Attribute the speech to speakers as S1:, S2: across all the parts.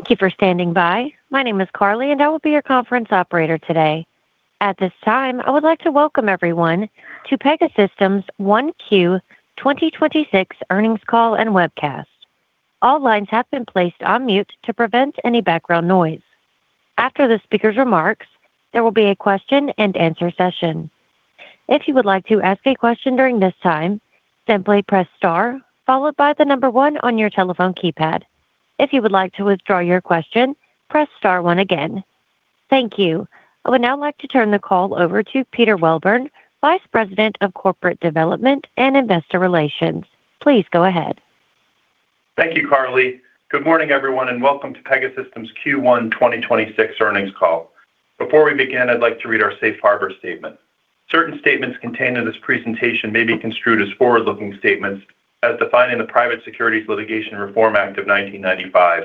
S1: Thank you for standing by. My name is Carly, and I will be your conference operator today. At this time, I would like to welcome everyone to Pegasystems' 1Q 2026 earnings call and webcast. All lines have been placed on mute to prevent any background noise. After the speaker's remarks, there will be a question-and-answer session. If you would like to ask a question during this time, simply press star followed by the number one on your telephone keypad. If you would like to withdraw your question, press star one again. Thank you. I would now like to turn the call over to Peter Welburn, Vice President of Corporate Development and Investor Relations. Please go ahead.
S2: Thank you, Carly. Good morning, everyone, and welcome to Pegasystems' Q1 2026 earnings call. Before we begin, I'd like to read our safe harbor statement. Certain statements contained in this presentation may be construed as forward-looking statements as defined in the Private Securities Litigation Reform Act of 1995.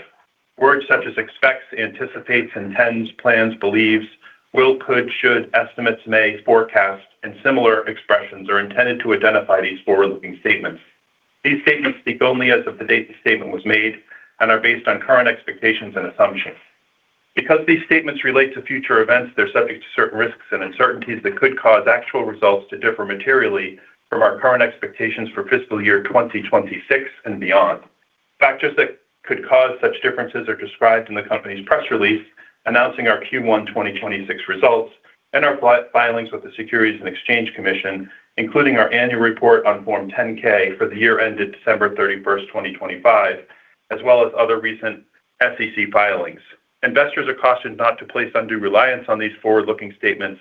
S2: Words such as expects, anticipates, intends, plans, believes, will, could, should, estimates, may, forecast, and similar expressions are intended to identify these forward-looking statements. These statements speak only as of the date the statement was made and are based on current expectations and assumptions. Because these statements relate to future events, they're subject to certain risks and uncertainties that could cause actual results to differ materially from our current expectations for fiscal year 2026 and beyond. Factors that could cause such differences are described in the company's press release announcing our Q1 2026 results and our filings with the Securities and Exchange Commission, including our annual report on Form 10-K for the year ended December 31st, 2025, as well as other recent SEC filings. Investors are cautioned not to place undue reliance on these forward-looking statements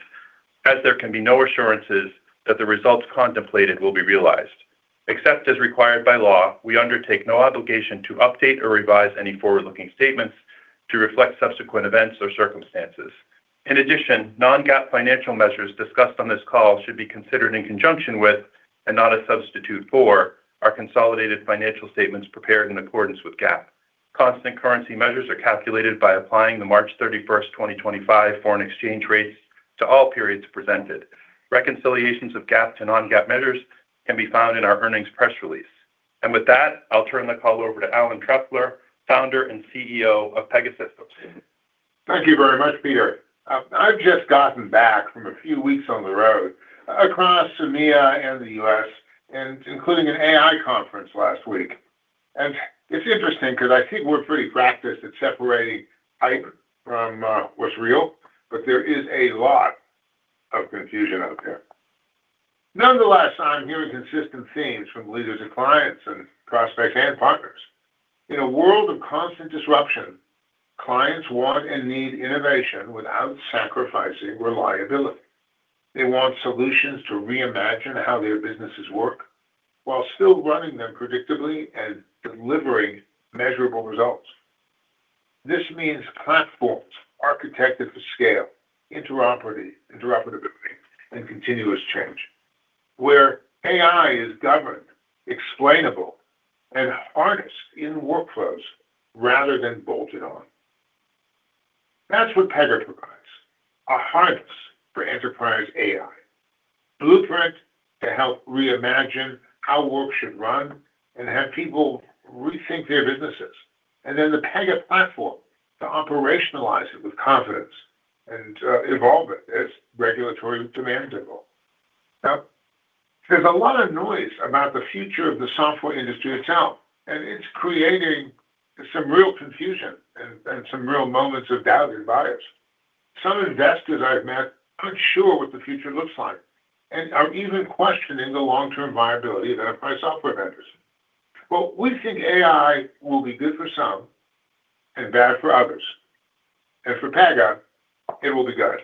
S2: as there can be no assurances that the results contemplated will be realized. Except as required by law, we undertake no obligation to update or revise any forward-looking statements to reflect subsequent events or circumstances. In addition, non-GAAP financial measures discussed on this call should be considered in conjunction with, and not a substitute for, our consolidated financial statements prepared in accordance with GAAP. Constant currency measures are calculated by applying the March 31st, 2025 foreign exchange rates to all periods presented. Reconciliations of GAAP to non-GAAP measures can be found in our earnings press release. With that, I'll turn the call over to Alan Trefler, Founder and CEO of Pegasystems.
S3: Thank you very much, Peter. I've just gotten back from a few weeks on the road across EMEA and the U.S., and including an AI conference last week. It's interesting because I think we're pretty practiced at separating hype from what's real, but there is a lot of confusion out there. Nonetheless, I'm hearing consistent themes from leaders and clients and prospects and partners. In a world of constant disruption, clients want and need innovation without sacrificing reliability. They want solutions to reimagine how their businesses work while still running them predictably and delivering measurable results. This means platforms architected for scale, interoperability, and continuous change, where AI is governed, explainable, and harnessed in workflows rather than bolted on. That's what Pega provides. A harness for enterprise AI. Blueprint to help reimagine how work should run and have people rethink their businesses. Then the Pega Platform to operationalize it with confidence and evolve it as regulatory demands evolve. Now, there's a lot of noise about the future of the software industry itself, and it's creating some real confusion and some real moments of doubt in buyers. Some investors I've met aren't sure what the future looks like and are even questioning the long-term viability of enterprise software vendors. Well, we think AI will be good for some and bad for others, and for Pega, it will be good.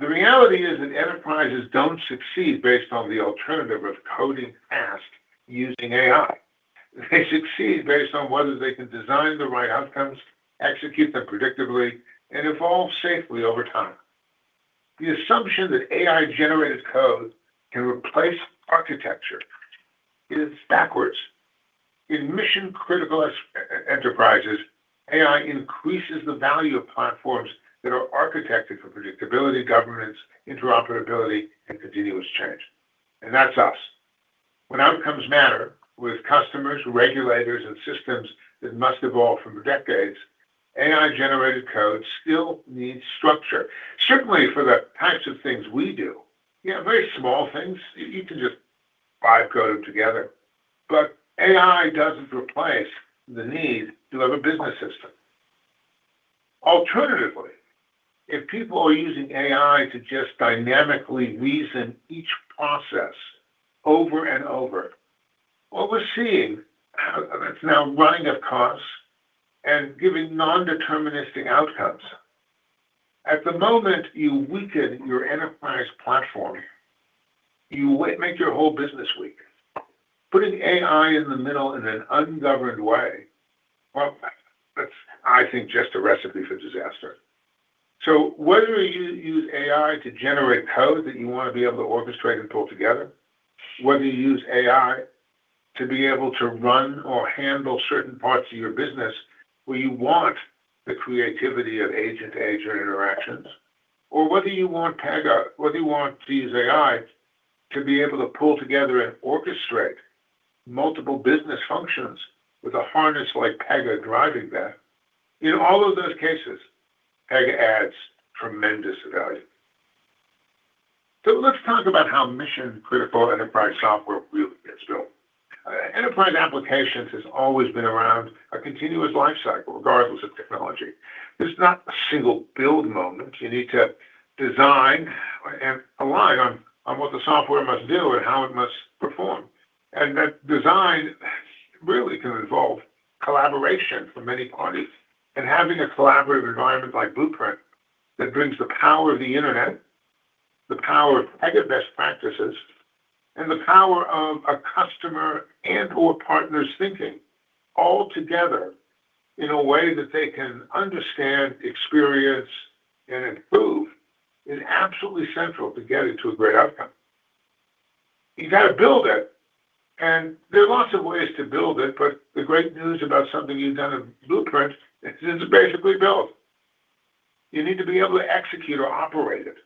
S3: The reality is that enterprises don't succeed based on the alternative of coding fast using AI. They succeed based on whether they can design the right outcomes, execute them predictably, and evolve safely over time. The assumption that AI-generated code can replace architecture is backwards. In mission-critical enterprises, AI increases the value of platforms that are architected for predictability, governance, interoperability, and continuous change, and that's us. When outcomes matter with customers, regulators, and systems that must evolve from decades, AI-generated code still needs structure. Certainly for the types of things we do. Yeah, very small things, you can just vibe code them together. AI doesn't replace the need to have a business system. Alternatively, if people are using AI to just dynamically reason each process over-and-over, what we're seeing, it's now running up costs and giving non-deterministic outcomes. At the moment you weaken your enterprise platform, you make your whole business weak. Putting AI in the middle in an ungoverned way, well, that's I think just a recipe for disaster. Whether you use AI to generate code that you want to be able to orchestrate and pull together, whether you use AI to be able to run or handle certain parts of your business where you want creativityof agent-agent interactions, or whether you want these AI to be able to pull together and orchestrate multiple business functions with a harness like Pega driving that. In all of those cases, Pega adds tremendous value. Let's talk about how mission-critical enterprise software really gets built. Enterprise applications has always been around a continuous life cycle, regardless of technology. There's not a single build moment. You need to design and align on what the software must do and how it must perform. That design really can involve collaboration from many parties. Having a collaborative environment like Blueprint that brings the power of the internet, the power of Pega best practices, and the power of a customer and/or partners thinking all together in a way that they can understand, experience, and improve is absolutely central to getting to a great outcome. You got to build it, and there are lots of ways to build it, but the great news about something you've done in Blueprint, it's basically built. You need to be able to execute or operate it,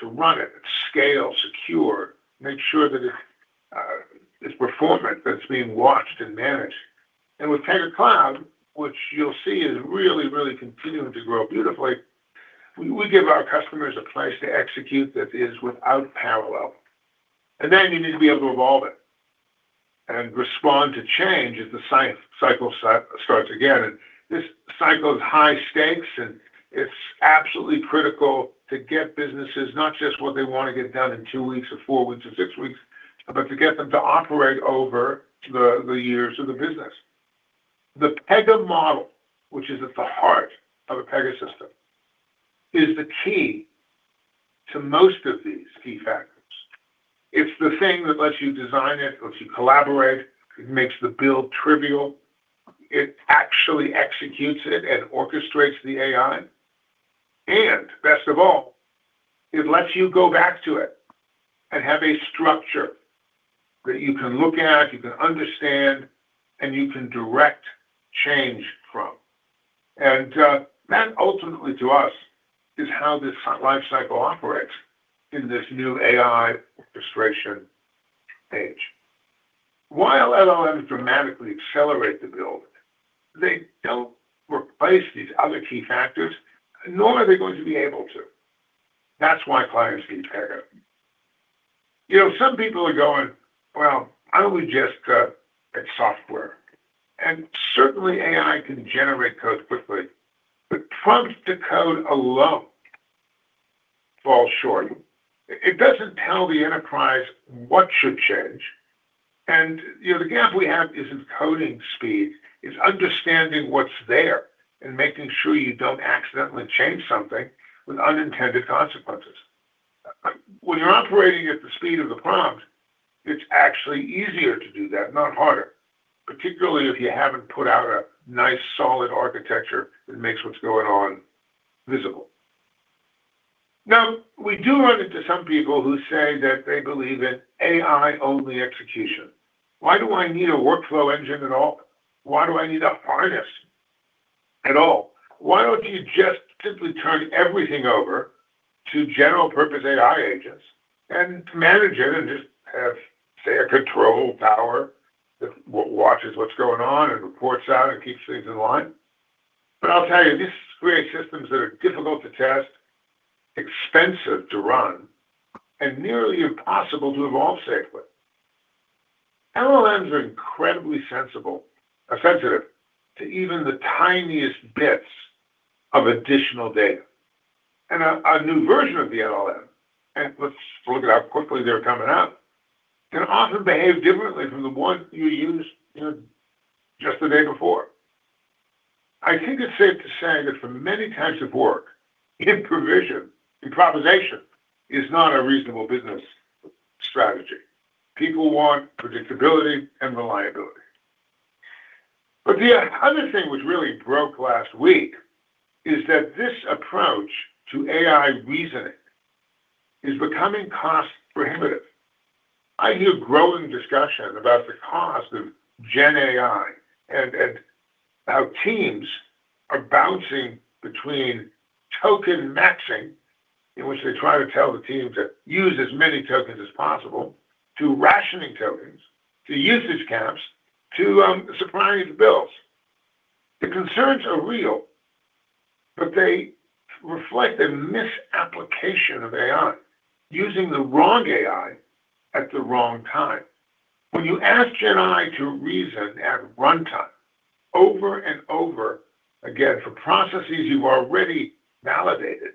S3: to run it, scale, secure, make sure that its performance is being watched and managed. With Pega Cloud, which you'll see is really, really continuing to grow beautifully, we give our customers a place to execute that is without parallel. Then you need to be able to evolve it and respond to change as the cycle starts again. This cycle is high stakes, and it's absolutely critical to get businesses, not just what they want to get done in two weeks or four weeks or six weeks, but to get them to operate over the years of the business. The Pega model, which is at the heart of a Pega system, is the key to most of these key factors. It's the thing that lets you design it, lets you collaborate. It makes the build trivial. It actually executes it and orchestrates the AI. Best of all, it lets you go back to it and have a structure that you can look at, you can understand, and you can direct change from. That, ultimately, to us, is how this life cycle operates in this new AI orchestration age. While LLMs dramatically accelerate the build, they don't replace these other key factors, nor are they going to be able to. That's why clients need Pega. Some people are going, "Well, I would just code a software." Certainly AI can generate code quickly, but prompts to code alone fall short. It doesn't tell the enterprise what should change. The gap we have isn't coding speed, it's understanding what's there and making sure you don't accidentally change something with unintended consequences. When you're operating at the speed of the prompts, it's actually easier to do that, not harder, particularly if you haven't put out a nice, solid architecture that makes what's going on visible. Now, we do run into some people who say that they believe in AI-only execution. Why do I need a workflow engine at all? Why do I need a harness at all? Why don't you just simply turn everything over to general-purpose AI agents and manage it and just have, say, a control tower that watches what's going on and reports out and keeps things in line? I'll tell you, this creates systems that are difficult to test, expensive to run, and nearly impossible to evolve safely. LLMs are incredibly sensitive to even the tiniest bits of additional data. A new version of the LLM, and let's look at how quickly they're coming out, can often behave differently from the one you used just the day before. I think it's safe to say that for many types of work, improvisation is not a reasonable business strategy. People want predictability and reliability. The other thing which really broke last week is that this approach to AI reasoning is becoming cost-prohibitive. I hear growing discussion about the cost of GenAI and how teams are bouncing between token maxing, in which they try to tell the team to use as many tokens as possible, to rationing tokens, to usage caps, to surprising bills. The concerns are real, but they reflect a misapplication of AI, using the wrong AI at the wrong time. When you ask GenAI to reason at runtime over-and-over again for processes you've already validated,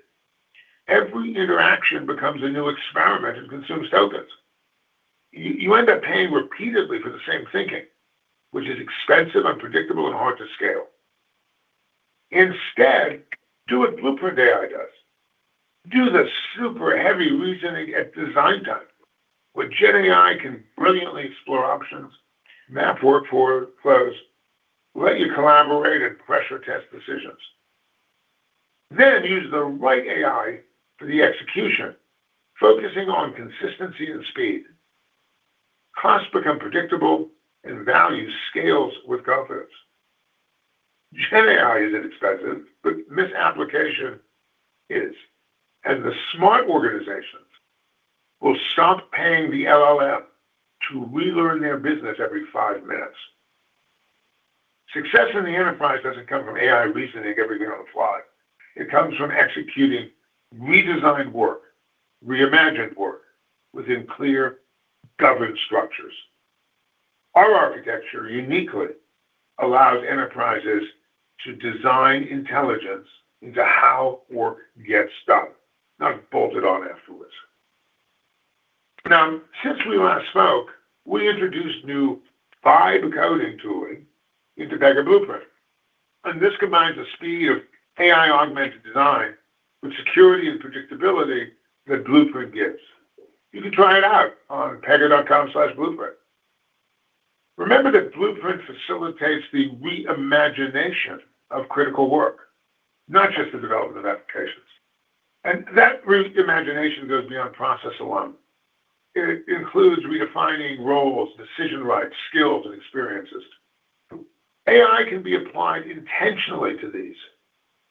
S3: every interaction becomes a new experiment and consumes tokens. You end up paying repeatedly for the same thinking, which is expensive, unpredictable, and hard to scale. Instead, do what Blueprint AI does. Do the super heavy reasoning at design time, where GenAI can brilliantly explore options, map workflows, let you collaborate and pressure test decisions. Use the right AI for the execution, focusing on consistency and speed. Costs become predictable and value scales with confidence. GenAI isn't expensive, but misapplication is. The smart organizations will stop paying the LLM to relearn their business every five minutes. Success in the enterprise doesn't come from AI reasoning everything on the fly. It comes from executing redesigned work, reimagined work, within clear governed structures. Our architecture uniquely allows enterprises to design intelligence into how work gets done, not bolted on afterwards. Now, since we last spoke, we introduced new vibe coding tooling into Pega Blueprint. This combines the speed of AI-augmented design with security and predictability that Blueprint gives. You can try it out on pega.com/blueprint. Remember that Blueprint facilitates the reimagination of critical work, not just the development of applications. That reimagination goes beyond process alone. It includes redefining roles, decision rights, skills, and experiences. AI can be applied intentionally to these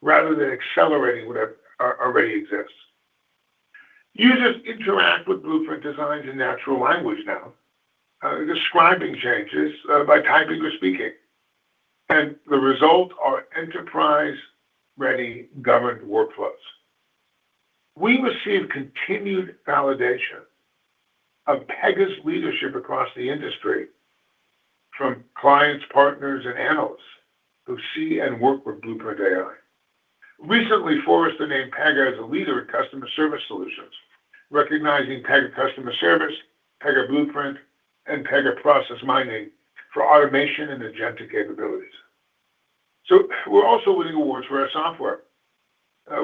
S3: rather than accelerating what already exists. Users interact with Blueprint designs in natural language now, describing changes by typing or speaking, and the result are enterprise-ready governed workflows. We receive continued validation of Pega's leadership across the industry from clients, partners, and analysts who see and work with Blueprint AI. Recently, Forrester named Pega as a leader in Customer Service Solutions, recognizing Pega Customer Service, Pega Blueprint, and Pega Process Mining for automation and agentic capabilities. We're also winning awards for our software.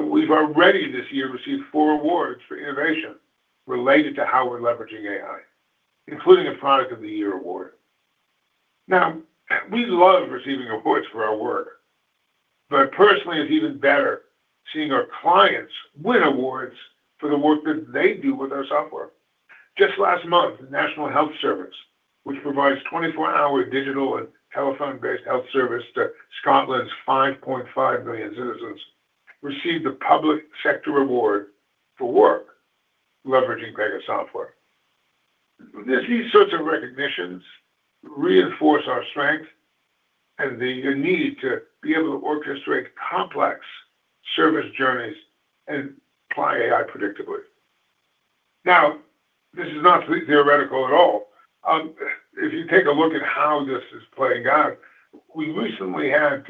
S3: We have already this year received four awards for innovation related to how we are leveraging AI, including a Product of the Year award. Now, we love receiving awards for our work, but personally, it's even better seeing our clients win awards for the work that they do with our software. Just last month, the National Health Service, which provides 24-hour digital and telephone-based health service to Scotland's 5.5 million citizens, received a public sector award for work leveraging Pega software. These sorts of recognitions reinforce our strength and the need to be able to orchestrate complex service journeys and apply AI predictably. Now, this is not theoretical at all. If you take a look at how this is playing out, we recently had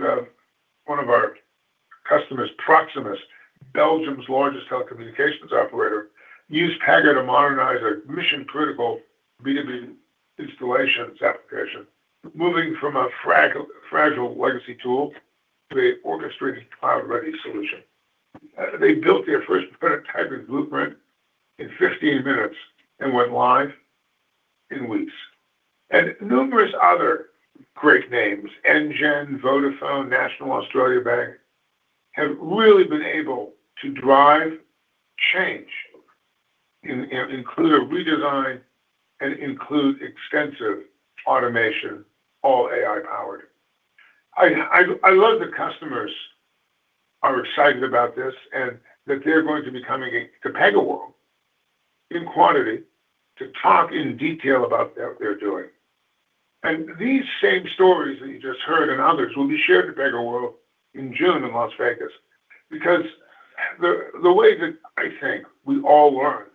S3: one of our customers, Proximus, Belgium's largest telecommunications operator, use Pega to modernize their mission-critical B2B installations application. Moving from a fragile legacy tool to an orchestrated cloud-ready solution. They built their first prototype in Blueprint in 15 minutes and went live in weeks. Numerous other great names, enGen, Vodafone, National Australia Bank, have really been able to drive change and include a redesign and include extensive automation, all AI powered. I love that customers are excited about this and that they are going to be coming to PegaWorld in quantity to talk in detail about what they are doing. These same stories that you just heard and others will be shared at PegaWorld in June in Las Vegas. Because the way that I think we all learn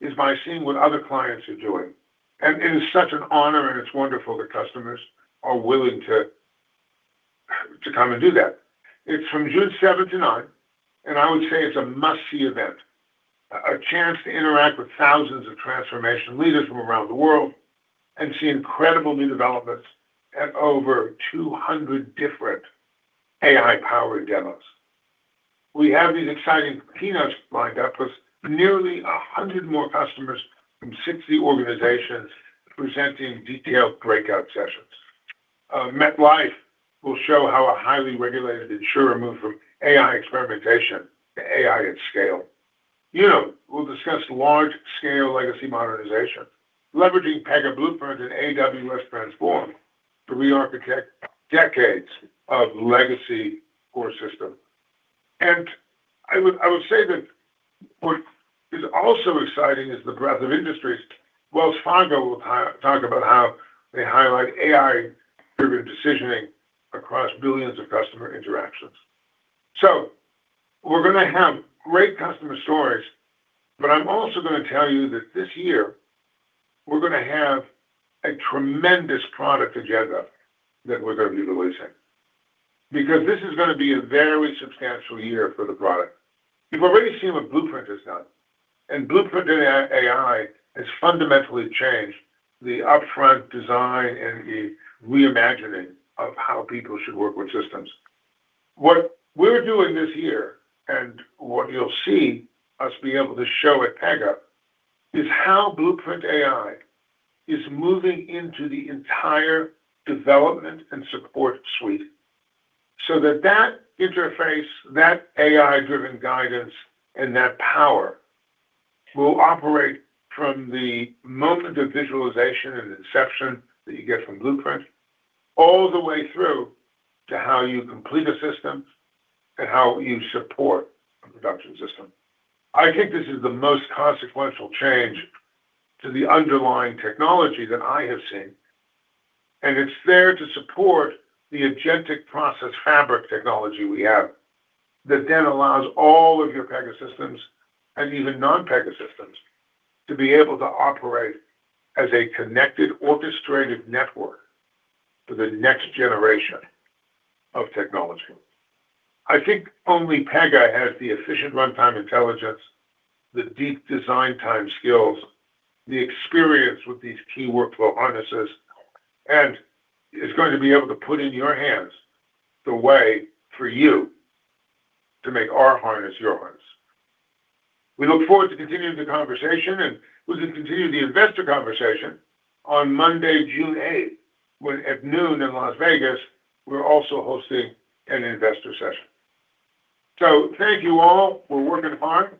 S3: is by seeing what other clients are doing. It is such an honor, and it's wonderful that customers are willing to come and do that. It is from June 7 to 9, and I would say it is a must-see event. A chance to interact with thousands of transformation leaders from around the world and see incredible new developments at over 200 different AI-powered demos. We have these exciting keynotes lined up, with nearly 100 more customers from 60 organizations presenting detailed breakout sessions. MetLife will show how a highly regulated insurer moved from AI experimentation to AI at scale. Unum will discuss large-scale legacy modernization, leveraging Pega Blueprint and AWS Transform to rearchitect decades of legacy core systems. I would say that what is also exciting is the breadth of industries. Wells Fargo will talk about how they highlight AI-driven decisioning across billions of customer interactions. We are going to have great customer stories, but I'm also going to tell you that this year, we are going to have a tremendous product agenda that we are going to be releasing. Because this is going to be a very substantial year for the product. You have already seen what Blueprint has done, and Blueprint and AI has fundamentally changed the upfront design and the reimagining of how people should work with systems. What we are doing this year, and what you will see us being able to show at Pega, is how Blueprint AI is moving into the entire development and support suite. So that interface, that AI-driven guidance, and that power will operate from the moment of visualization and inception that you get from Blueprint all the way through to how you complete a system and how you support a production system. I think this is the most consequential change to the underlying technology that I have seen, and it's there to support the agentic process fabric technology we have that then allows all of your Pega systems and even non-Pega systems to be able to operate as a connected, orchestrated network for the next generation of technology. I think only Pega has the efficient runtime intelligence, the deep design time skills, the experience with these key workflow harnesses, and is going to be able to put in your hands the way for you to make our harness yours. We look forward to continuing the conversation, and we're going to continue the investor conversation on Monday, June 8th. At noon in Las Vegas, we're also hosting an Investor Session. Thank you all. We're working hard.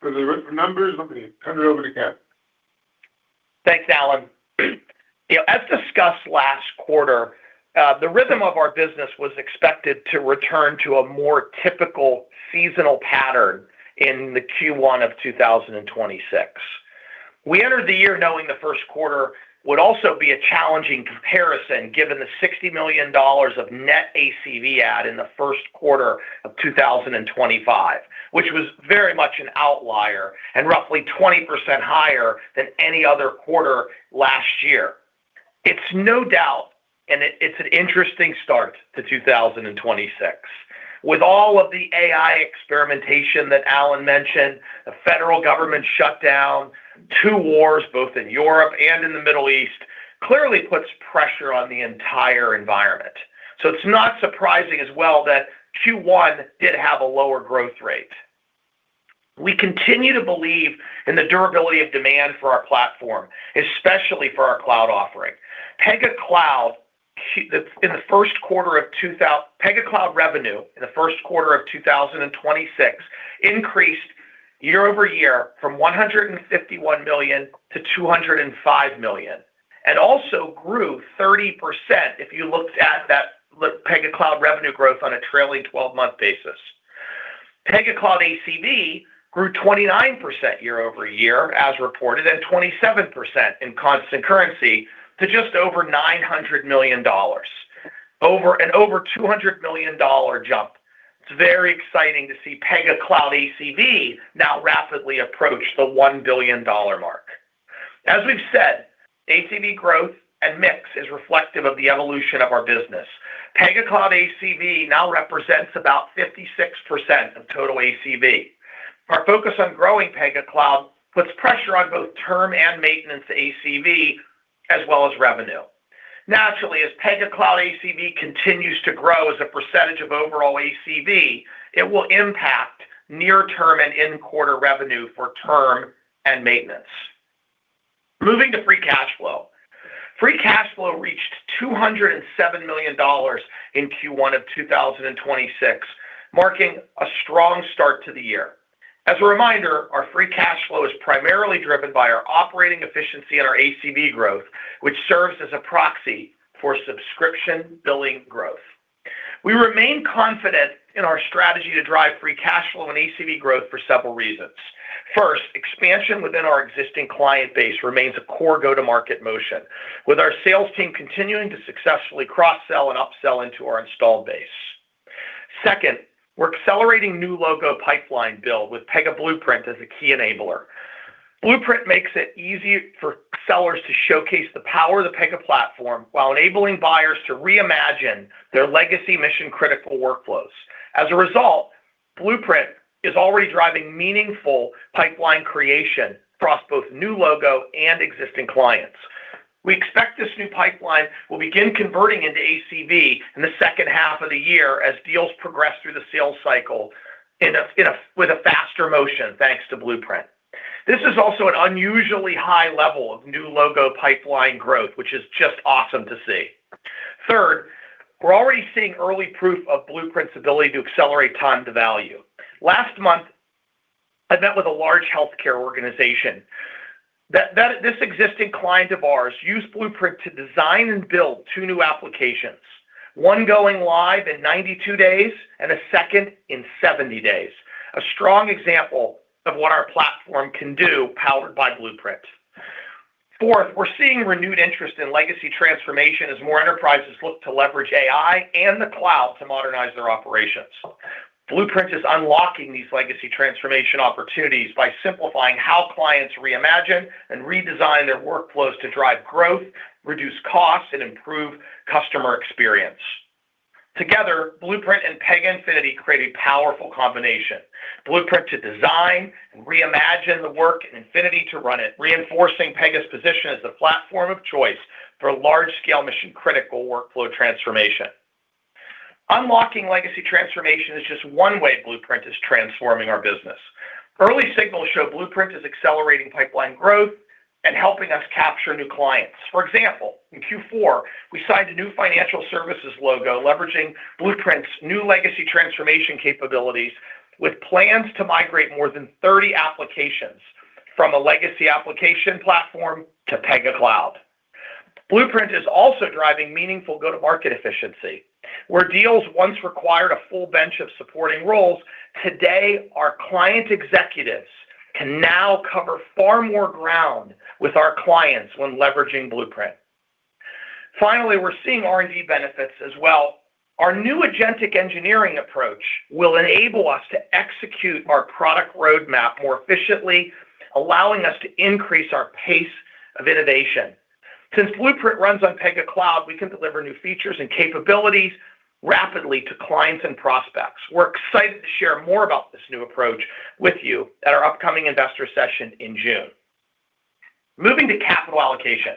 S3: For the numbers, let me turn it over to Ken.
S4: Thanks, Alan. As discussed last quarter, the rhythm of our business was expected to return to a more typical seasonal pattern in the Q1 of 2026. We entered the year knowing the first quarter would also be a challenging comparison given the $60 million of net ACV add in the first quarter of 2025, which was very much an outlier and roughly 20% higher than any other quarter last year. It's no doubt, and it's an interesting start to 2026. With all of the AI experimentation that Alan mentioned, the federal government shutdown, two wars, both in Europe and in the Middle East, clearly puts pressure on the entire environment. It's not surprising as well that Q1 did have a lower growth rate. We continue to believe in the durability of demand for our platform, especially for our cloud offering. Pega Cloud revenue in the first quarter of 2026 increased year-over-year from $151 million to $205 million, and also grew 30% if you looked at that Pega Cloud revenue growth on a trailing 12-month basis. Pega Cloud ACV grew 29% year-over-year as reported, and 27% in constant currency to just over $900 million. An over $200 million jump. It's very exciting to see Pega Cloud ACV now rapidly approach the $1 billion mark. As we've said, ACV growth and mix is reflective of the evolution of our business. Pega Cloud ACV now represents about 56% of total ACV. Our focus on growing Pega Cloud puts pressure on both term and maintenance ACV as well as revenue. Naturally, as Pega Cloud ACV continues to grow as a percentage of overall ACV, it will impact near-term and in-quarter revenue for term and maintenance. Moving to free cash flow. Free cash flow reached $207 million in Q1 of 2026, marking a strong start to the year. As a reminder, our free cash flow is primarily driven by our operating efficiency and our ACV growth, which serves as a proxy for subscription billing growth. We remain confident in our strategy to drive free cash flow and ACV growth for several reasons. First, expansion within our existing client base remains a core go-to-market motion, with our sales team continuing to successfully cross-sell and upsell into our installed base. Second, we're accelerating new logo pipeline build with Pega Blueprint as a key enabler. Blueprint makes it easy for sellers to showcase the power of the Pega Platform while enabling buyers to reimagine their legacy mission-critical workflows. As a result, Blueprint is already driving meaningful pipeline creation across both new logo and existing clients. We expect this new pipeline will begin converting into ACV in the second half of the year as deals progress through the sales cycle with a faster motion, thanks to Blueprint. This is also an unusually high level of new logo pipeline growth, which is just awesome to see. Third, we're already seeing early proof of Blueprint's ability to accelerate time to value. Last month, I met with a large healthcare organization. This existing client of ours used Blueprint to design and build two new applications, one going live in 92 days and a second in 70 days. A strong example of what our platform can do powered by Blueprint. Fourth, we're seeing renewed interest in legacy transformation as more enterprises look to leverage AI and the cloud to modernize their operations. Blueprint is unlocking these legacy transformation opportunities by simplifying how clients reimagine and redesign their workflows to drive growth, reduce costs, and improve customer experience. Together, Blueprint and Pega Infinity create a powerful combination. Blueprint to design and reimagine the work, Infinity to run it, reinforcing Pega's position as the platform of choice for large-scale mission-critical workflow transformation. Unlocking legacy transformation is just one way Blueprint is transforming our business. Early signals show Blueprint is accelerating pipeline growth and helping us capture new clients. For example, in Q4, we signed a new financial services logo leveraging Blueprint's new legacy transformation capabilities with plans to migrate more than 30 applications from a legacy application platform to Pega Cloud. Blueprint is also driving meaningful go-to-market efficiency where deals once required a full bench of supporting roles. Today, our client executives can now cover far more ground with our clients when leveraging Blueprint. Finally, we're seeing R&D benefits as well. Our new agentic engineering approach will enable us to execute our product roadmap more efficiently, allowing us to increase our pace of innovation. Since Blueprint runs on Pega Cloud, we can deliver new features and capabilities rapidly to clients and prospects. We're excited to share more about this new approach with you at our upcoming Investor Session in June. Moving to capital allocation.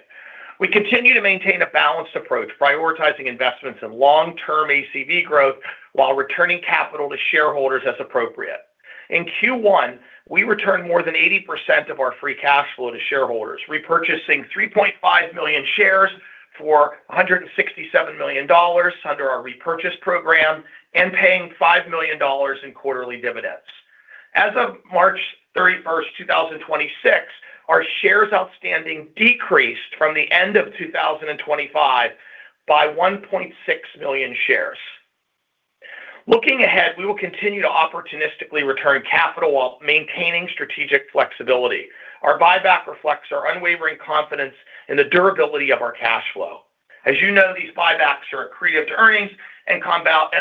S4: We continue to maintain a balanced approach, prioritizing investments in long-term ACV growth while returning capital to shareholders as appropriate. In Q1, we returned more than 80% of our free cash flow to shareholders, repurchasing 3.5 million shares for $167 million under our repurchase program and paying $5 million in quarterly dividends. As of March 31st, 2026, our shares outstanding decreased from the end of 2025 by 1.6 million shares. Looking ahead, we will continue to opportunistically return capital while maintaining strategic flexibility. Our buyback reflects our unwavering confidence in the durability of our cash flow. As you know, these buybacks are accretive to earnings and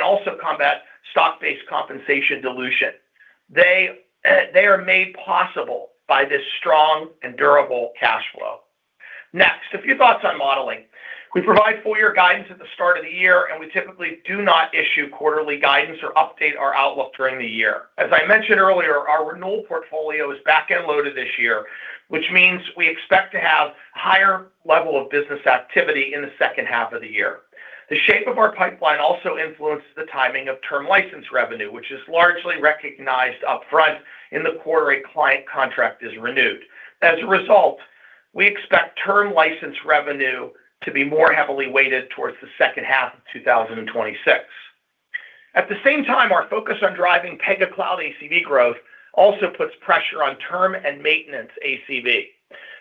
S4: also combat stock-based compensation dilution. They are made possible by this strong and durable cash flow. Next, a few thoughts on modeling. We provide full-year guidance at the start of the year, and we typically do not issue quarterly guidance or update our outlook during the year. As I mentioned earlier, our renewal portfolio is back-end loaded this year, which means we expect to have higher level of business activity in the second half of the year. The shape of our pipeline also influences the timing of term license revenue, which is largely recognized upfront in the quarter a client contract is renewed. As a result, we expect term license revenue to be more heavily weighted towards the second half of 2026. At the same time, our focus on driving Pega Cloud ACV growth also puts pressure on term and maintenance ACV.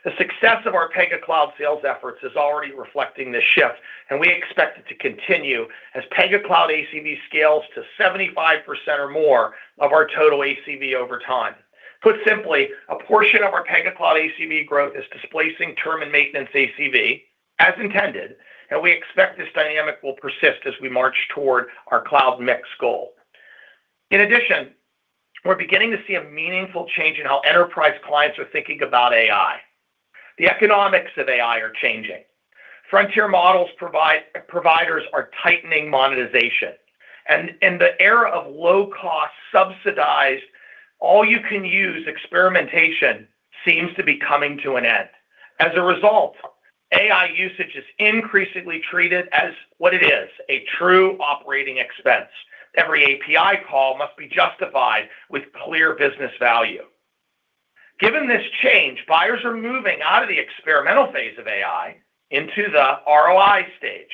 S4: The success of our Pega Cloud sales efforts is already reflecting this shift, and we expect it to continue as Pega Cloud ACV scales to 75% or more of our total ACV over time. Put simply, a portion of our Pega Cloud ACV growth is displacing term and maintenance ACV as intended, and we expect this dynamic will persist as we march toward our cloud mix goal. In addition, we're beginning to see a meaningful change in how enterprise clients are thinking about AI. The economics of AI are changing. Frontier models providers are tightening monetization. The era of low-cost, subsidized all-you-can-use experimentation seems to be coming to an end. As a result, AI usage is increasingly treated as what it is, a true operating expense. Every API call must be justified with clear business value. Given this change, buyers are moving out of the experimental phase of AI into the ROI stage.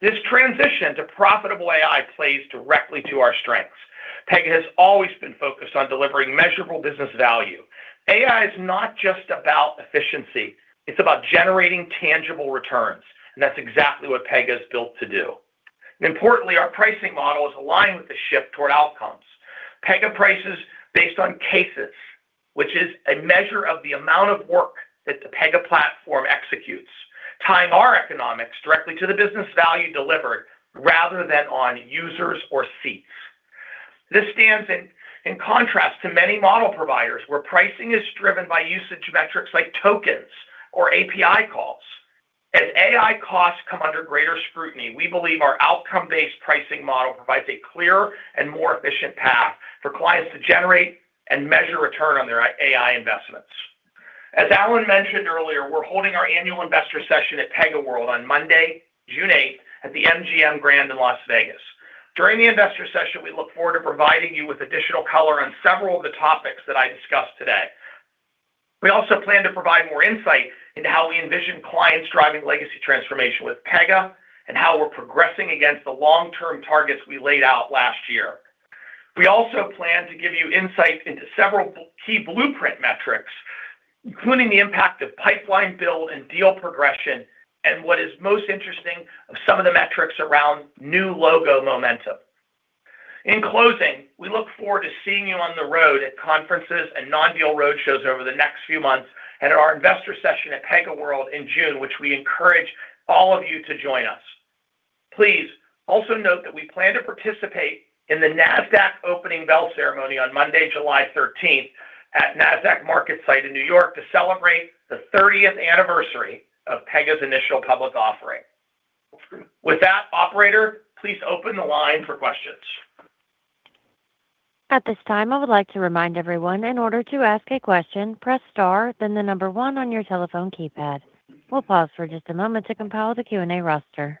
S4: This transition to profitable AI plays directly to our strengths. Pega has always been focused on delivering measurable business value. AI is not just about efficiency. It's about generating tangible returns, and that's exactly what Pega is built to do. Importantly, our pricing model is aligned with the shift toward outcomes. Pega prices based on cases, which is a measure of the amount of work that the Pega platform executes, tying our economics directly to the business value delivered rather than on users or seats. This stands in contrast to many model providers where pricing is driven by usage metrics like tokens or API calls. As AI costs come under greater scrutiny, we believe our outcome-based pricing model provides a clearer and more efficient path for clients to generate and measure return on their AI investments. As Alan mentioned earlier, we're holding our Annual Investor Session at PegaWorld on Monday, June 8th at the MGM Grand in Las Vegas. During the Investor Session, we look forward to providing you with additional color on several of the topics that I discussed today. We also plan to provide more insight into how we envision clients driving legacy transformation with Pega and how we're progressing against the long-term targets we laid out last year. We also plan to give you insight into several key Blueprint metrics, including the impact of pipeline build and deal progression, and what is most interesting, of some of the metrics around new logo momentum. In closing, we look forward to seeing you on the road at conferences and non-deal road shows over the next few months and at our Investor Session at PegaWorld in June, which we encourage all of you to join us. Please also note that we plan to participate in the Nasdaq opening bell ceremony on Monday, July 13th at Nasdaq market site in New York to celebrate the 30th anniversary of Pega's initial public offering. With that, operator, please open the line for questions.
S1: At this time, I would like to remind everyone, in order to ask a question, press star, then one on your telephone keypad. We'll pause for just a moment to compile the Q&A roster.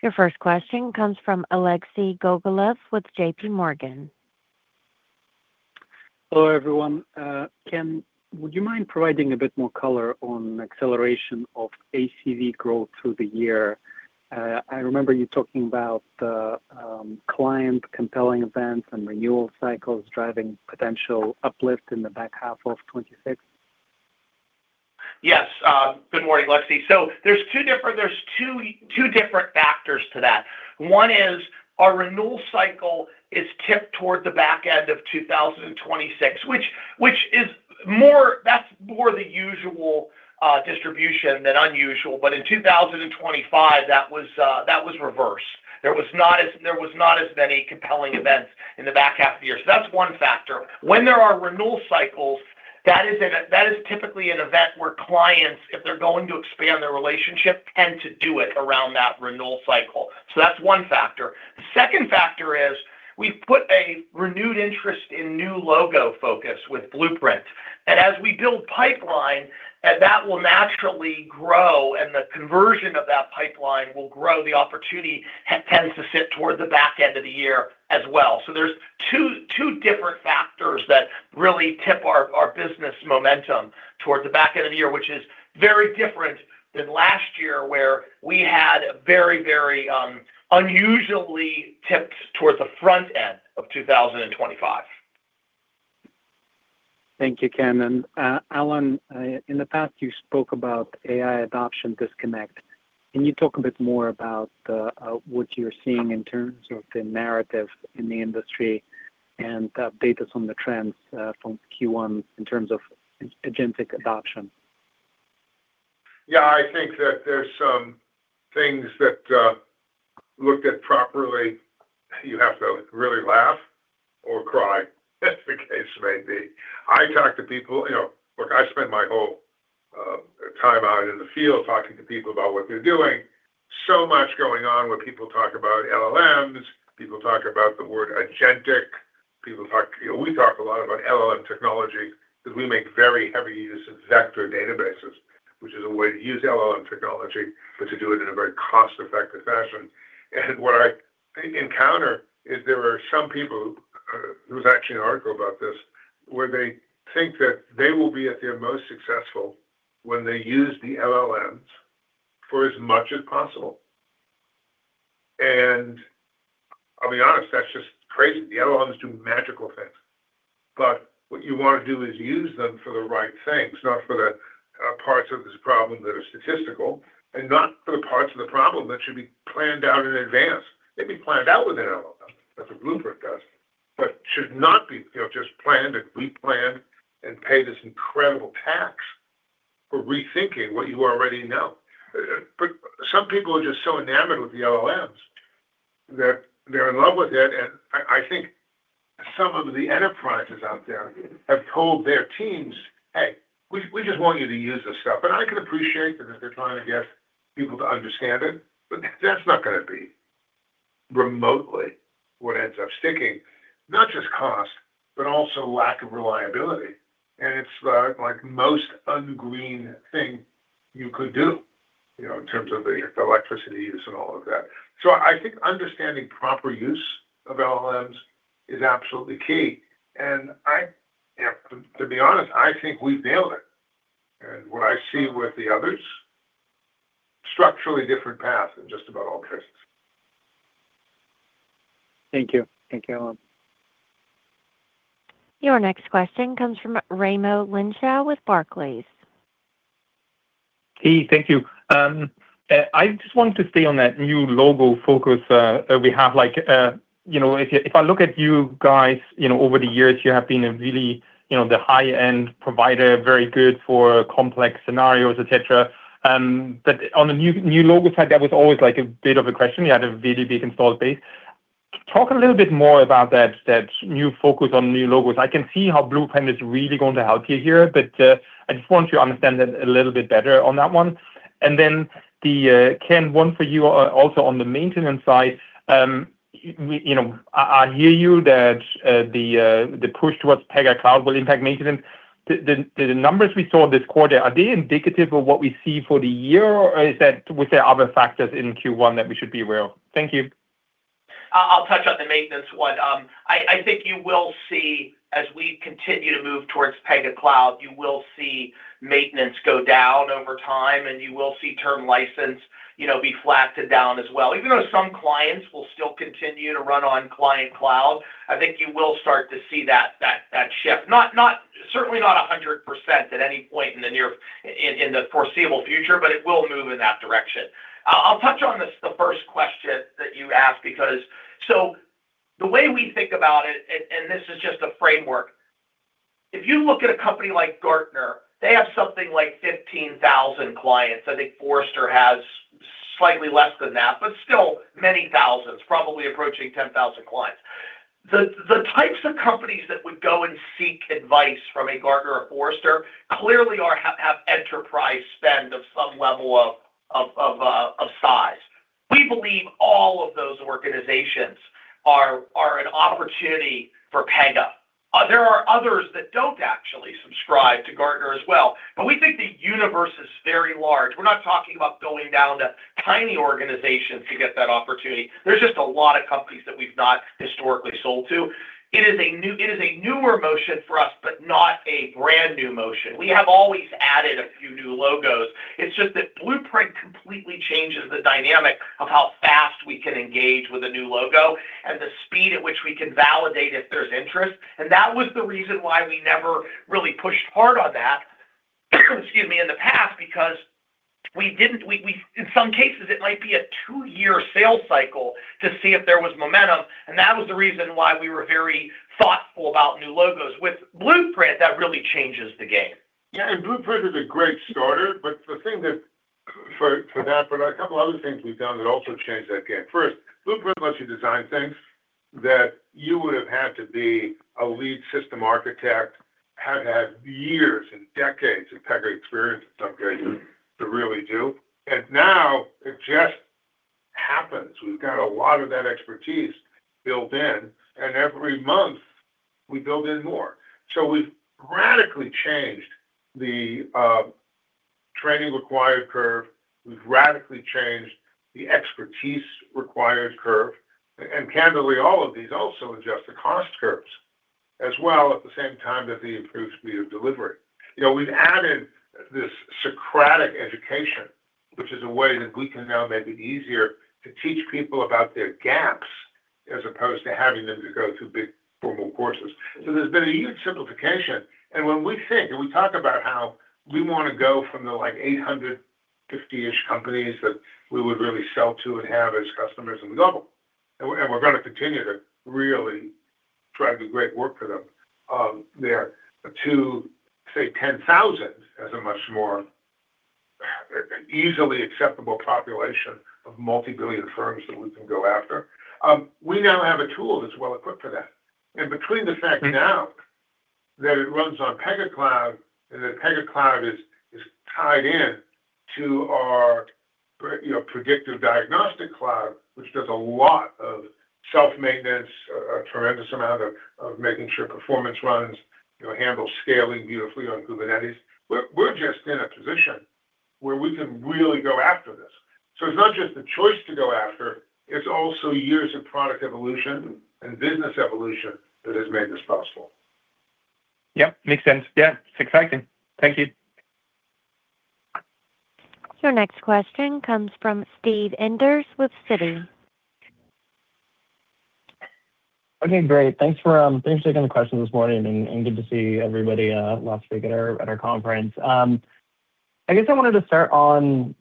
S1: Your first question comes from Alexei Gogolev with JPMorgan.
S5: Hello, everyone. Ken, would you mind providing a bit more color on acceleration of ACV growth through the year? I remember you talking about the client compelling events and renewal cycles driving potential uplift in the back half of 2026.
S4: Yes. Good morning, Alexei. There's two different factors to that. One is our renewal cycle is tipped toward the back end of 2026, which, that's more the usual distribution than unusual. In 2025, that was reversed. There was not as many compelling events in the back half of the year. That's one factor. When there are renewal cycles, that is typically an event where clients, if they're going to expand their relationship, tend to do it around that renewal cycle. That's one factor. The second factor is we've put a renewed interest in new logo focus with Blueprint. As we build pipeline, that will naturally grow, and the conversion of that pipeline will grow. The opportunity tends to sit towards the back end of the year as well. There's two different factors that really tip our business momentum towards the back end of the year, which is very different than last year, where we had very unusually tipped towards the front end of 2025.
S5: Thank you, Ken. Alan, in the past, you spoke about AI adoption disconnect. Can you talk a bit more about what you're seeing in terms of the narrative in the industry and the updates on the trends from Q1 in terms of its agentic adoption?
S3: Yeah, I think that there's some things that looked at properly, you have to really laugh or cry, as the case may be. I talk to people. Look, I spent my whole time out in the field talking to people about what they're doing. Much going on when people talk about LLMs, people talk about the word agentic, we talk a lot about LLM technology because we make very heavy use of vector databases, which is a way to use LLM technology, but to do it in a very cost-effective fashion. What I encounter is there are some people, there was actually an article about this, where they think that they will be at their most successful when they use the LLMs for as much as possible. I'll be honest, that's just crazy. The LLMs do magical things. What you want to do is use them for the right things, not for the parts of this problem that are statistical and not for the parts of the problem that should be planned out in advance. They'd be planned out with an LLM, as a Blueprint does, but should not be just planned and replanned and pay this incredible tax for rethinking what you already know. some people are just so enamored with the LLMs that they're in love with it, and I think some of the enterprises out there have told their teams, "Hey, we just want you to use this stuff." I can appreciate that they're trying to get people to understand it, but that's not going to be remotely what ends up sticking. Not just cost, but also lack of reliability. It's like most un-green thing you could do, in terms of the electricity use and all of that. I think understanding proper use of LLMs is absolutely key. To be honest, I think we've nailed it. What I see with the others, structurally different path in just about all cases.
S5: Thank you. Thank you, Alan.
S1: Your next question comes from Raimo Lenschow with Barclays.
S6: Hey, thank you. I just wanted to stay on that new logo focus that we have. If I look at you guys over the years, you have been a really the high-end provider, very good for complex scenarios, etc, but on the new logo side, that was always a bit of a question. You had a VDB installed base. Talk a little bit more about that new focus on new logos. I can see how Blueprint is really going to help you here, but I just want to understand it a little bit better on that one. Ken, one for you also on the maintenance side. I hear you that the push towards Pega Cloud will impact maintenance. The numbers we saw this quarter, are they indicative of what we see for the year, or was there other factors in Q1 that we should be aware of? Thank you.
S4: I'll touch on the maintenance one. I think you will see, as we continue to move towards Pega Cloud, you will see maintenance go down over time, and you will see term license be flattened down as well. Even though some clients will still continue to run on client cloud, I think you will start to see that shift. Certainly not 100% at any point in the foreseeable future, but it will move in that direction. I'll touch on the first question that you asked because the way we think about it, and this is just a framework, if you look at a company like Gartner, they have something like 15,000 clients. I think Forrester has slightly less than that, but still many thousands, probably approaching 10,000 clients. The types of companies that would go and seek advice from a Gartner or Forrester clearly have enterprise spend of some level of size. We believe all of those organizations are an opportunity for Pega. There are others that don't have subscribed to Gartner as well. We think the universe is very large. We're not talking about going down to tiny organizations to get that opportunity. There's just a lot of companies that we've not historically sold to. It is a newer motion for us, but not a brand-new motion. We have always added a few new logos. It's just that Blueprint completely changes the dynamic of how fast we can engage with a new logo and the speed at which we can validate if there's interest. That was the reason why we never really pushed hard on that, excuse me, in the past because in some cases it might be a two-year sales cycle to see if there was momentum, and that was the reason why we were very thoughtful about new logos. With Blueprint, that really changes the game.
S3: Yeah. Blueprint is a great starter, but the thing for that, but a couple other things we've done that also changed that game. First, Blueprint lets you design things that you would've had to be a lead system architect, had to have years and decades of Pega experience at some grade to really do. Now it just happens. We've got a lot of that expertise built in, and every month we build in more. We've radically changed the training required curve. We've radically changed the expertise required curve. Candidly, all of these also adjust the cost curves as well at the same time that they improve speed of delivery. We've added this Socratic education, which is a way that we can now make it easier to teach people about their gaps as opposed to having them go through big formal courses. There's been a huge simplification, and when we think and we talk about how we want to go from the 850-ish companies that we would really sell to and have as customers, and we're going to continue to really try to do great work for them there to say 10,000 as a much more easily acceptable population of multi-billion firms that we can go after. We now have a tool that's well-equipped for that. Between the fact now that it runs on Pega Cloud and that Pega Cloud is tied in to our Pega Predictive Diagnostic Cloud, which does a lot of self-maintenance, a tremendous amount of making sure performance runs, handles scaling beautifully on Kubernetes. We're just in a position where we can really go after this. It's not just the choice to go after, it's also years of product evolution and business evolution that has made this possible.
S6: Yep. Makes sense. Yeah. It's exciting. Thank you.
S1: Your next question comes from Steve Enders with Citi.
S7: Okay, great. Thanks for taking the question this morning, and good to see everybody last week at our conference. I guess I wanted to start on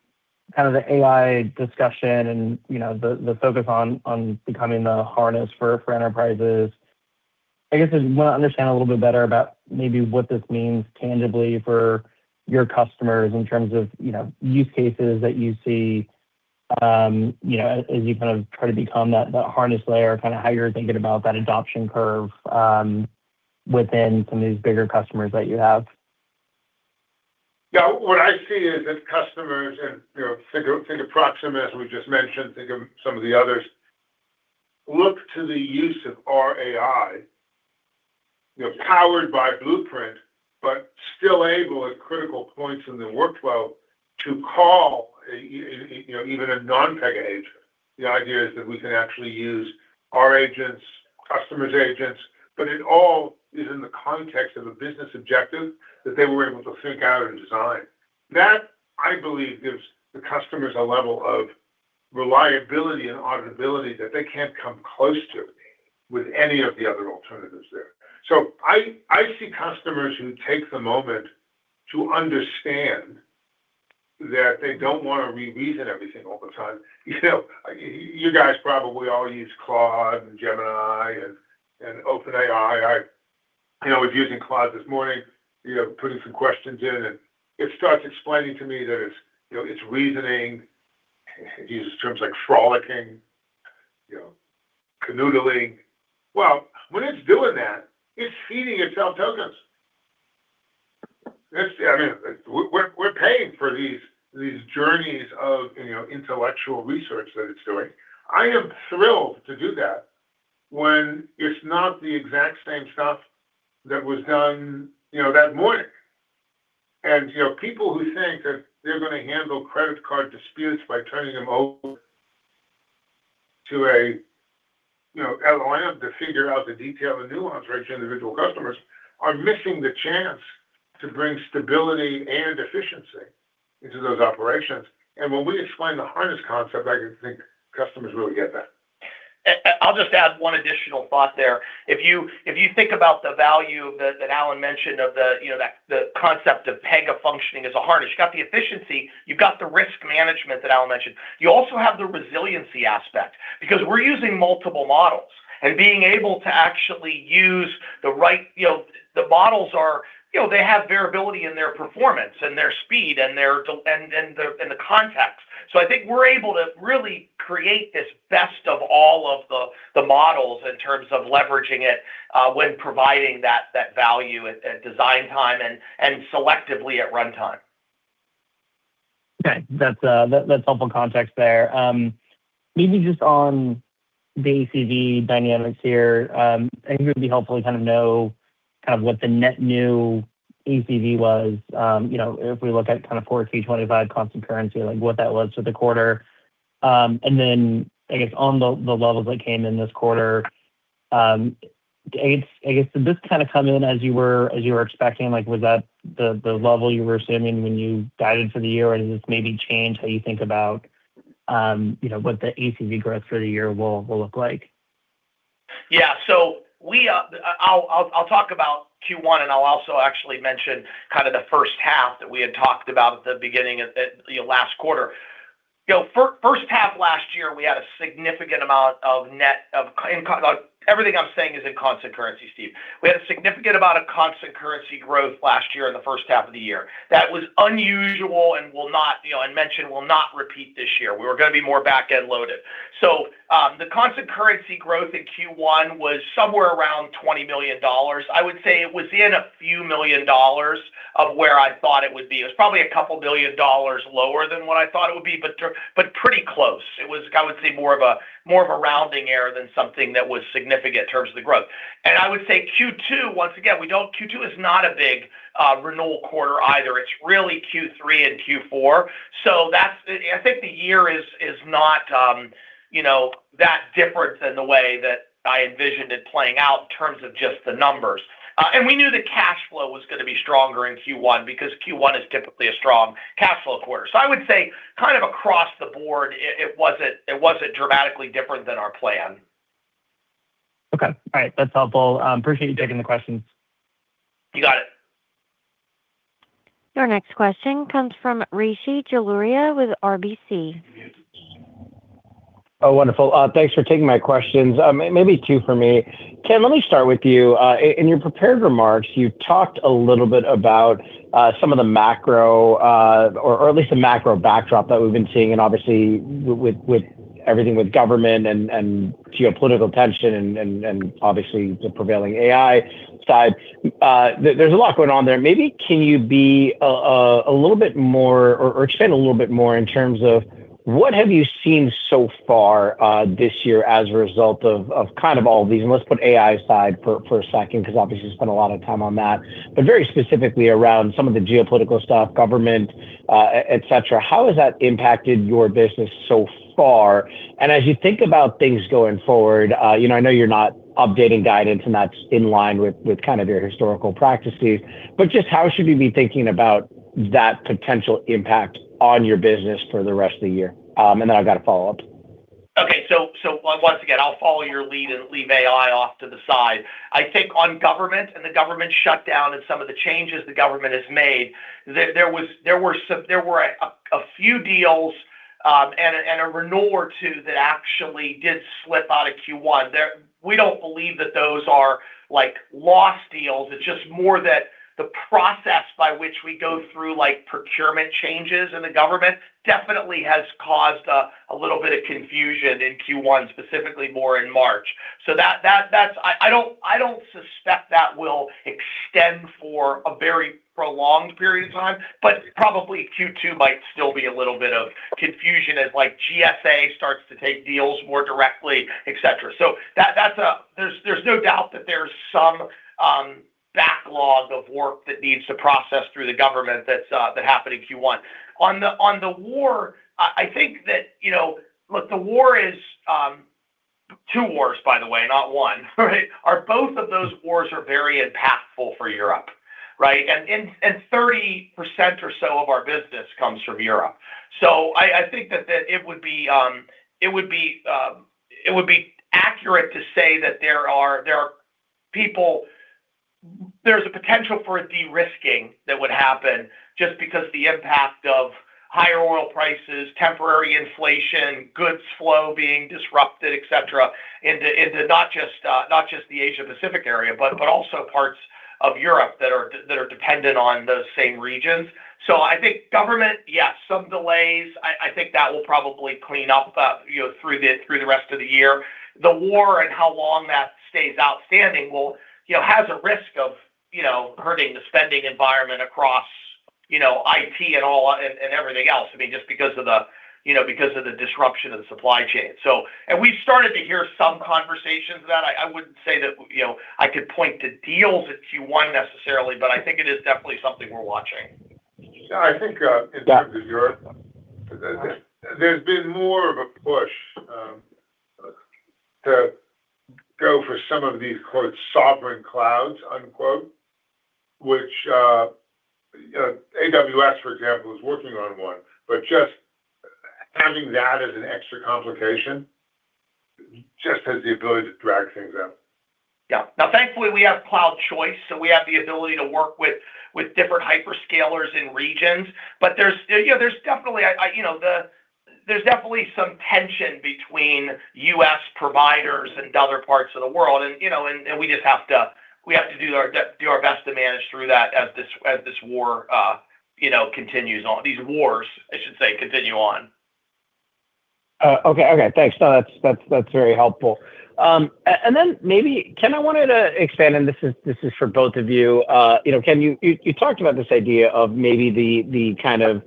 S7: kind of the AI discussion and the focus on becoming the harness for enterprises. I guess I want to understand a little bit better about maybe what this means tangibly for your customers in terms of use cases that you see as you kind of try to become that harness layer, how you're thinking about that adoption curve within some of these bigger customers that you have.
S3: Yeah. What I see is that customers, and think of Proximus as we just mentioned, think of some of the others, look to the use of our AI, powered by Blueprint, but still able at critical points in the workflow to call even a non-Pega agent. The idea is that we can actually use our agents, customer's agents, but it all is in the context of a business objective that they were able to think out and design. That, I believe, gives the customers a level of reliability and auditability that they can't come close to with any of the other alternatives there. I see customers who take the moment to understand that they don't want to reason everything all the time. You guys probably all use Claude and Gemini and OpenAI. I was using Claude this morning, putting some questions in, and it starts explaining to me that it's reasoning. It uses terms like frolicking, canoodling. Well, when it's doing that, it's feeding itself tokens. We're paying for these journeys of intellectual research that it's doing. I am thrilled to do that when it's not the exact same stuff that was done that morning. People who think that they're going to handle credit card disputes by turning them over to a LLM to figure out the detail and nuance for each individual customer are missing the chance to bring stability and efficiency into those operations. When we explain the harness concept, I think customers really get that.
S4: I'll just add one additional thought there. If you think about the value that Alan mentioned of the concept of Pega functioning as a harness, you've got the efficiency, you've got the risk management that Alan mentioned. You also have the resiliency aspect, because we're using multiple models and being able to actually use the right models, they have variability in their performance and their speed and the context. I think we're able to really create this best of all of the models in terms of leveraging it, when providing that value at design time and selectively at runtime.
S7: Okay. That's helpful context there. Maybe just on the ACV dynamics here, it would be helpful to kind of know what the net new ACV was. If we look at kind of forward FY 2025 constant currency, like what that was for the quarter. I guess on the levels that came in this quarter, I guess, did this kind of come in as you were expecting? Was that the level you were assuming when you guided for the year? Or does this maybe change how you think about what the ACV growth for the year will look like?
S4: Yeah. I'll talk about Q1, and I'll also actually mention kind of the first half that we had talked about at the beginning of last quarter. First half last year we had significant amount of.... Everything I'm saying is in constant currency, Steve. We had a significant amount of constant currency growth last year in the first half of the year. That was unusual and I mention will not repeat this year. We were going to be more back-end loaded. The constant currency growth in Q1 was somewhere around $20 million. I would say it was in a few million dollars of where I thought it would be. It was probably $a couple billion lower than what I thought it would be, but pretty close. It was, I would say, more of a rounding error than something that was significant in terms of the growth. I would say Q2, once again, Q2 is not a big renewal quarter either. It's really Q3 and Q4. I think the year is not that different than the way that I envisioned it playing out in terms of just the numbers. We knew that cash flow was going to be stronger in Q1 because Q1 is typically a strong cash flow quarter. I would say kind of across the board, it wasn't dramatically different than our plan.
S7: Okay. All right. That's helpful. Appreciate you taking the questions.
S4: You got it.
S1: Your next question comes from Rishi Jaluria with RBC.
S8: Oh, wonderful. Thanks for taking my questions. Maybe two for me. Ken, let me start with you. In your prepared remarks, you talked a little bit about some of the macro, or at least the macro backdrop that we've been seeing, and obviously with everything with government and geopolitical tension and obviously the prevailing AI side. There's a lot going on there. Maybe can you be a little bit more, or expand a little bit more in terms of what have you seen so far this year as a result of kind of all these, and let's put AI aside for a second, because obviously you spent a lot of time on that, but very specifically around some of the geopolitical stuff, government, etc? How has that impacted your business so far? As you think about things going forward, I know you're not updating guidance, and that's in line with kind of your historical practices, but just how should we be thinking about that potential impact on your business for the rest of the year? Then I've got a follow-up.
S4: Okay. Once again, I'll follow your lead and leave AI off to the side. I think on government and the government shutdown and some of the changes the government has made, there were a few deals, and a renewal or two that actually did slip out of Q1. We don't believe that those are lost deals. It's just more that the process by which we go through, like procurement changes in the government, definitely has caused a little bit of confusion in Q1, specifically more in March. I don't suspect that will extend for a very prolonged period of time, but probably Q2 might still be a little bit of confusion as GSA starts to take deals more directly, etc. There's no doubt that there's some backlog of work that needs to process through the government that happened in Q1. On the war, I think that the war is two wars, by the way, not one, right? Both of those wars are very impactful for Europe, right? 30% or so of our business comes from Europe. I think that it would be accurate to say that there's a potential for a de-risking that would happen just because the impact of higher oil prices, temporary inflation, goods flow being disrupted, etc, into not just the Asia-Pacific area, but also parts of Europe that are dependent on those same regions. I think government, yes, some delays. I think that will probably clean up through the rest of the year. The war and how long that stays outstanding has a risk of hurting the spending environment across IT and everything else. I mean, just because of the disruption of the supply chain. We've started to hear some conversations that I wouldn't say that I could point to deals in Q1 necessarily, but I think it is definitely something we're watching.
S3: Yeah, I think, in terms of Europe, there's been more of a push to go for some of these "sovereign clouds" unquote, which AWS, for example, is working on one, but just having that as an extra complication just has the ability to drag things out.
S4: Yeah. Now, thankfully, we have cloud choice, so we have the ability to work with different hyperscalers in regions. There's definitely some tension between U.S. providers and other parts of the world, and we have to do our best to manage through that as this war continues on. These wars, I should say, continue on.
S8: Okay. Thanks. That's very helpful. Maybe, Ken, I wanted to expand, and this is for both of you. Ken, you talked about this idea of maybe the kind of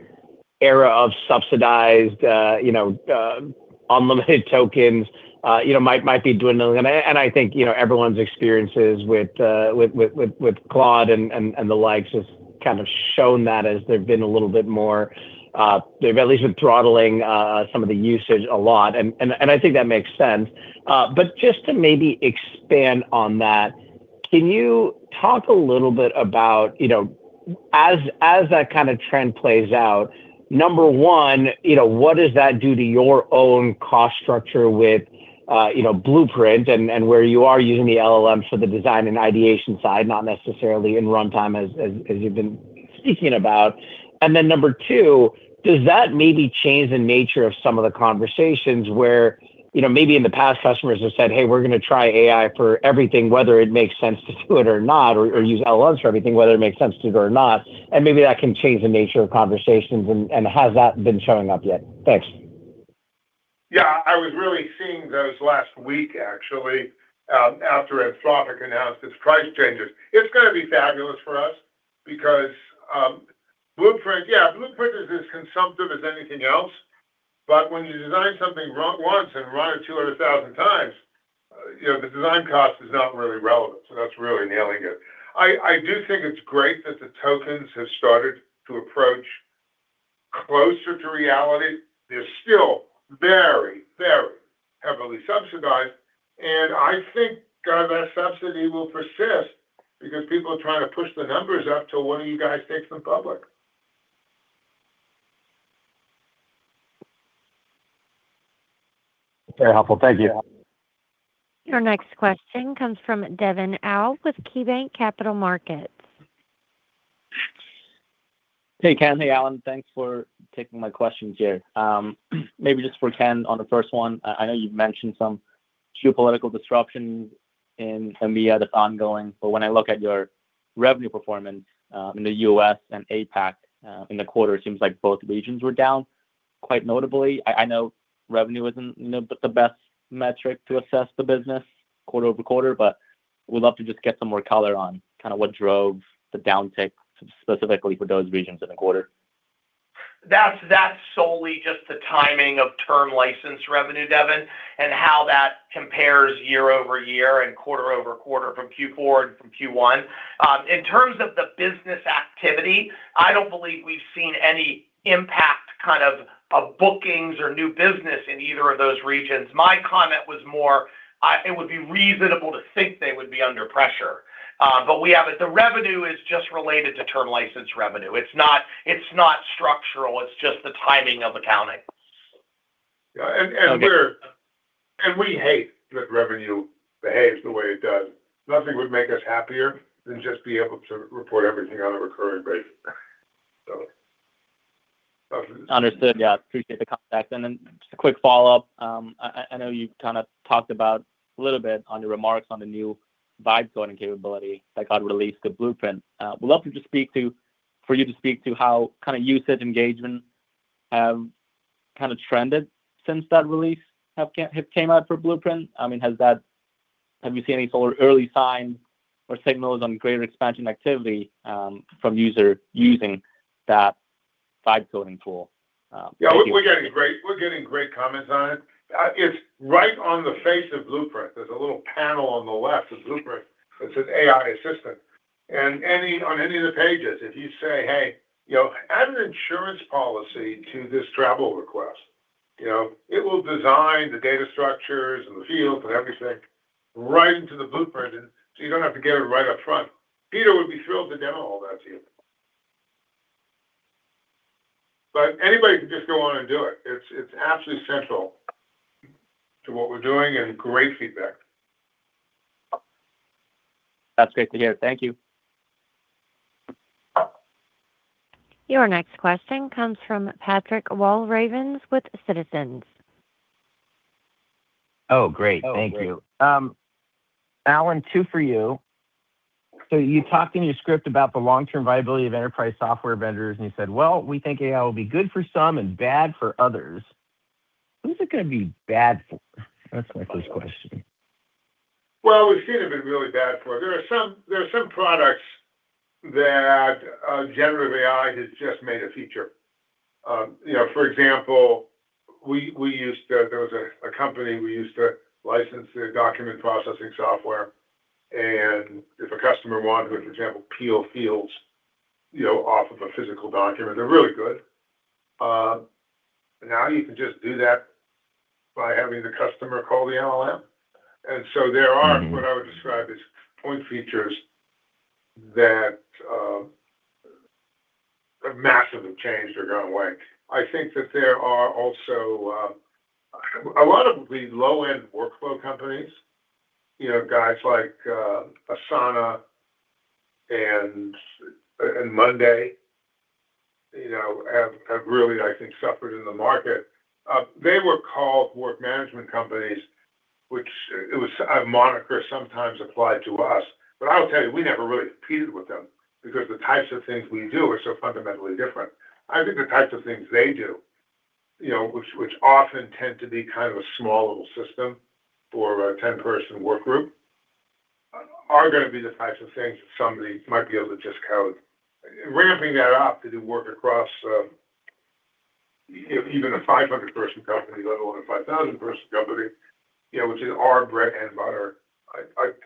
S8: era of subsidized unlimited tokens might be dwindling. I think, everyone's experiences with Claude and the likes has kind of shown that as they've been a little bit more, they've at least been throttling some of the usage a lot, and I think that makes sense. Just to maybe expand on that, can you talk a little bit about, as that kind of trend plays out, number one, what does that do to your own cost structure with Blueprint and where you are using the LLM for the design and ideation side, not necessarily in runtime as you've been speaking about. Number two, does that maybe change the nature of some of the conversations where, maybe in the past, customers have said, "Hey, we're going to try AI for everything," whether it makes sense to do it or not, or use LLMs for everything, whether it makes sense to do it or not, and maybe that can change the nature of conversations? Has that been showing up yet? Thanks.
S3: Yeah, I was really seeing those last week, actually, after Anthropic announced its price changes. It's going to be fabulous for us because Blueprint, yeah, Blueprint is as consumptive as anything else. When you design something once and run it 200,000 times, the design cost is not really relevant. That's really nailing it. I do think it's great that the tokens have started to approach closer to reality. They're still very, very heavily subsidized, and I think that subsidy will persist because people are trying to push the numbers up till one of you guys takes them public.
S8: Very helpful. Thank you.
S1: Your next question comes from Devin Au with KeyBanc Capital Markets.
S9: Hey, Ken. Hey, Alan. Thanks for taking my questions here. Maybe just for Ken on the first one. I know you've mentioned some geopolitical disruptions in EMEA that's ongoing, but when I look at your revenue performance in the U.S. and APAC in the quarter, it seems like both regions were down quite notably. I know revenue isn't the best metric to assess the business quarter-over-quarter, but would love to just get some more color on kind of what drove the downtick specifically for those regions in the quarter.
S4: That's solely just the timing of term license revenue, Devin, and how that compares year-over-year and quarter-over-quarter from Q4 and from Q1. In terms of the business activity, I don't believe we've seen any impact kind of bookings or new business in either of those regions. My comment was more, it would be reasonable to think they would be under pressure. The revenue is just related to term license revenue. It's not structural, it's just the timing of accounting.
S3: Yeah. We hate that revenue behaves the way it does. Nothing would make us happier than just being able to report everything on a recurring basis.
S9: Understood. Yeah. Appreciate the context. Just a quick follow-up. I know you kind of talked about a little bit on your remarks on the new vibe coding capability that got released to Blueprint. Would love for you to speak to how usage engagement has kind of trended since that release came out for Blueprint. Have you seen any early signs or signals on greater expansion activity from users using that vibe coding tool?
S3: Yeah. We're getting great comments on it. It's right on the face of Blueprint. There's a little panel on the left of Blueprint that says AI Assistant. On any of the pages, if you say, "Hey, add an insurance policy to this travel request," it will design the data structures and the fields and everything right into the Blueprint so you don't have to get it right up front. Peter would be thrilled to demo all that to you. Anybody can just go on and do it. It's absolutely central to what we're doing and great feedback.
S9: That's great to hear. Thank you.
S1: Your next question comes from Patrick Walravens with Citizens.
S10: Oh, great. Thank you. Alan, two for you. You talked in your script about the long-term viability of enterprise software vendors, and you said, "Well, we think AI will be good for some and bad for others." Who's it going to be bad for? That's my first question.
S3: Well, we've seen it be really bad for there are some products that generative AI has just made a feature. For example, there was a company we used to license their document processing software, and if a customer wanted to, for example, peel fields off of a physical document, they're really good. Now you can just do that by having the customer call the LLM. There are what I would describe as point features that have massively changed or gone away. I think that there are also a lot of the low-end workflow companies, guys like Asana and Monday, have really, I think, suffered in the market. They were called work management companies. Which it was a moniker sometimes applied to us, but I'll tell you, we never really competed with them because the types of things we do are so fundamentally different. I think the types of things they do, which often tend to be kind of a small little system for a 10-person work group, are going to be the types of things that somebody might be able to just code, ramping that up to do work across even a 500-person company, let alone a 5,000-person company, which is our bread and butter.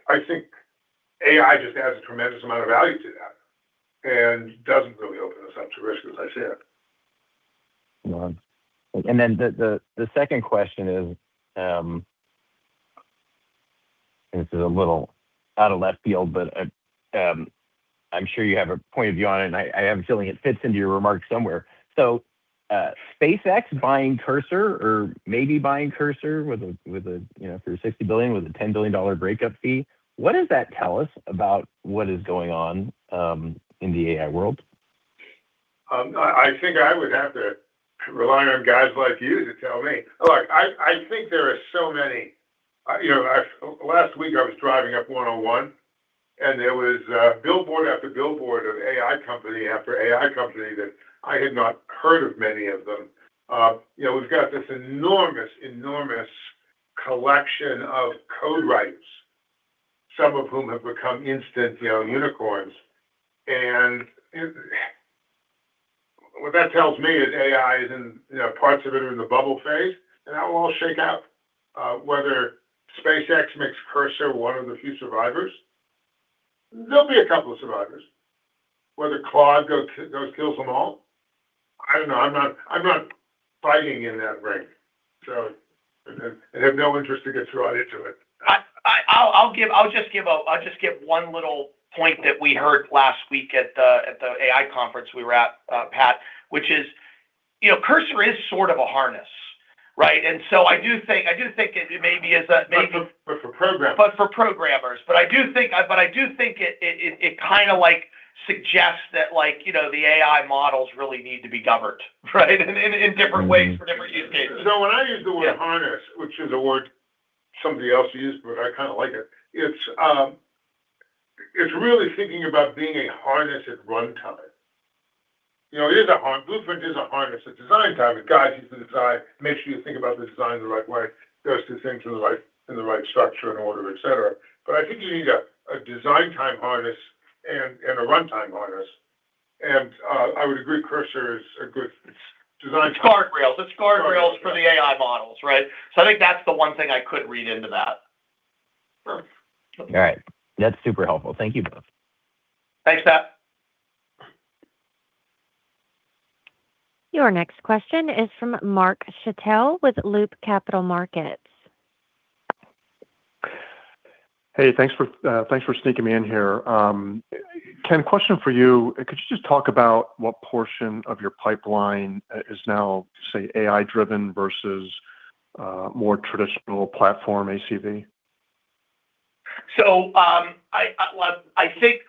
S3: I think AI just adds a tremendous amount of value to that and doesn't really open us up to risk, as I said.
S10: The second question is, this is a little out of left field, but I'm sure you have a point of view on it, and I have a feeling it fits into your remarks somewhere. SpaceX buying Cursor or maybe buying Cursor for $60 billion with a $10 billion breakup fee, what does that tell us about what is going on in the AI world?
S3: I think I would have to rely on guys like you to tell me. Look, I think there are so many. Last week I was driving up 101, and there was billboard-after-billboard of AI company-after-AI company that I had not heard of many of them. We've got this enormous collection of code writers, some of whom have become instant unicorns. What that tells me is AI, parts of it are in the bubble phase, and that will all shake out. Whether SpaceX makes Cursor one of the few survivors, there'll be a couple of survivors. Whether Claude goes kills them all, I don't know. I'm not fighting in that ring, and have no interest to get drawn into it.
S4: I'll just give one little point that we heard last week at the AI conference we were at, Pat, which is, Cursor is sort of a harness, right? I do think it maybe is a-
S3: For programmers.
S4: ...for programmers. I do think it kind of suggests that the AI models really need to be governed, right? In different ways for different use cases.
S3: When I use the word harness, which is a word somebody else used, but I kind of like it's really thinking about being a harness at runtime. Blueprint is a harness at design time. It guides you through design, makes you think about the design the right way, does this thing in the right structure and order, etc. I think you need a design time harness and a runtime harness. I would agree, Cursor is a good design tool.
S4: It's guardrails. It's guardrails for the AI models, right? I think that's the one thing I could read into that.
S3: Sure.
S10: All right. That's super helpful. Thank you both.
S4: Thanks, Pat.
S1: Your next question is from Mark Schappel with Loop Capital Markets.
S11: Hey, thanks for sneaking me in here. Ken, question for you. Could you just talk about what portion of your pipeline is now, say, AI-driven versus more traditional platform ACV?
S4: I think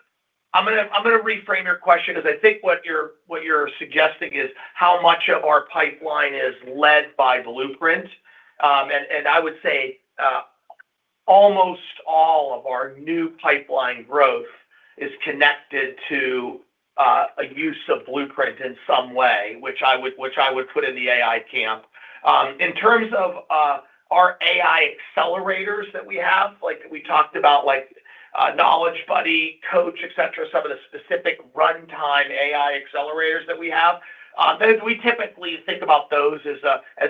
S4: I'm going to reframe your question because I think what you're suggesting is how much of our pipeline is led by Blueprint. I would say almost all of our new pipeline growth is connected to a use of Blueprint in some way, which I would put in the AI camp. In terms of our AI accelerators that we have, like we talked about, Knowledge Buddy, Coach, etc, some of the specific runtime AI accelerators that we have, we typically think about those as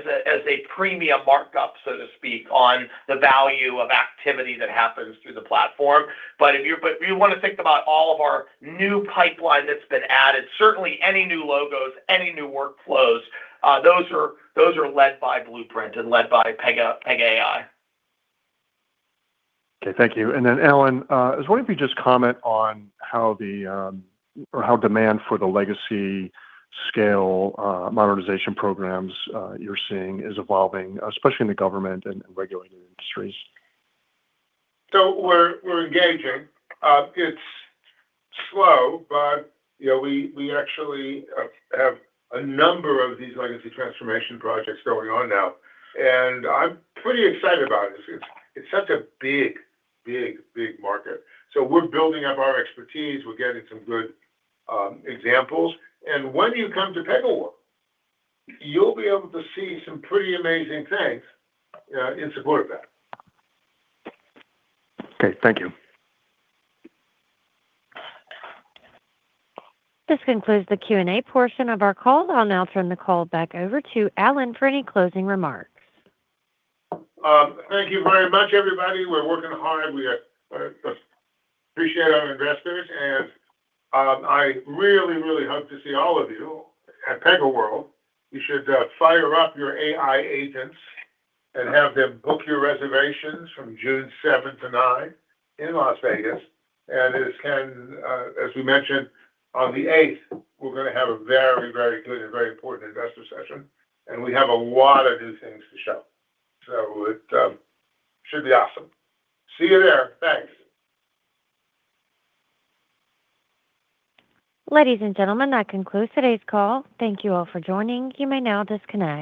S4: a premium markup, so to speak, on the value of activity that happens through the platform. If you want to think about all of our new pipeline that's been added, certainly any new logos, any new workflows, those are led by Blueprint and led by Pega AI.
S11: Okay, thank you. Alan, I was wondering if you could just comment on how demand for the legacy scale modernization programs you're seeing is evolving, especially in the government and regulated industries.
S3: We're engaging. It's slow, but we actually have a number of these legacy transformation projects going on now, and I'm pretty excited about it. It's such a big, big market. We're building up our expertise. We're getting some good examples. When you come to PegaWorld, you'll be able to see some pretty amazing things in support of that.
S11: Okay. Thank you.
S1: This concludes the Q&A portion of our call. I'll now turn the call back over to Alan for any closing remarks.
S3: Thank you very much, everybody. We're working hard. We appreciate our investors, and I really, really hope to see all of you at PegaWorld. You should fire up your AI agents and have them book your reservations from June 7th to 9th in Las Vegas. As Ken, as we mentioned, on the 8th, we're going to have a very clear and very important Investor Session, and we have a lot of new things to show. It should be awesome. See you there. Thanks.
S1: Ladies and gentlemen, that concludes today's call. Thank you all for joining. You may now disconnect.